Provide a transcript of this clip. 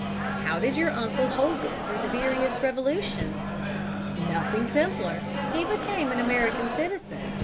"How did your uncle hold it through the various revolutions?" "Nothing simpler. He became an American citizen.